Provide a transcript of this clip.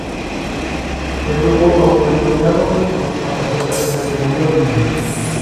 El grupo autodenominado Los Mata Zetas se atribuyó el crimen.